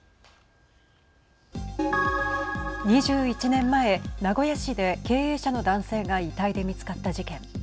２１年前名古屋市で経営者の男性が遺体で見つかった事件。